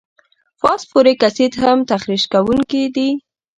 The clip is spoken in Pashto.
فاسفوریک اسید هم تخریش کوونکي دي.